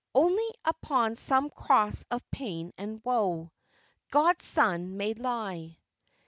"Only upon some cross of pain and woe, God's Son may lie.